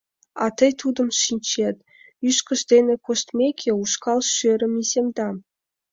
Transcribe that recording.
А тый тудым шинчет: ӱшкыж дене коштмеке, ушкал шӧрым иземда...